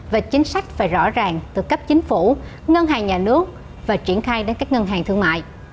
và chính sách phải rõ ràng từ cấp chính phủ ngân hàng nhà nước và triển khai đến các ngân hàng thương mại